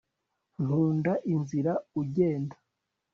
nkunda inzira ugenda